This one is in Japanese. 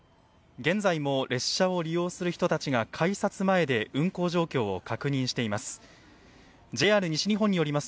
現在も列車を利用する人たちが改札前で運行状況を確認しています。